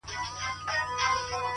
شېرینو نور له لسټوڼي نه مار باسه ـ